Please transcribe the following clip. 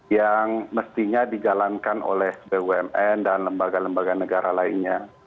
yang mestinya dijalankan oleh bumn dan lembaga lembaga negara lainnya